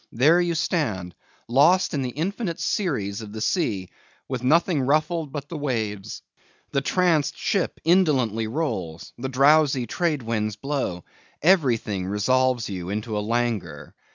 There you stand, lost in the infinite series of the sea, with nothing ruffled but the waves. The tranced ship indolently rolls; the drowsy trade winds blow; everything resolves you into languor.